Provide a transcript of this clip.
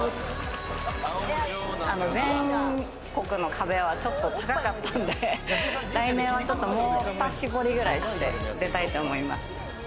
全国の壁は、ちょっと高かったんで、来年はちょっともうふた絞りぐらいして出たいと思います。